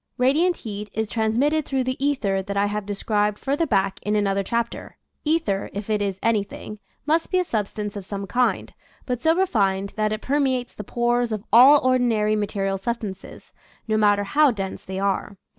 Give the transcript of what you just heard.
Radiant heat is transmitted through the ether that I have described further back in another chapter. Ether, if it is anything, must be a substance of some kind, but so re fined that it permeates the pores of all or dinary material substances, no matter how dense they are.